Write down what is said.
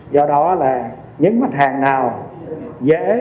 do đó những mặt hàng nào dễ